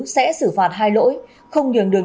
sẽ xử phạt hai lỗi không nhường đường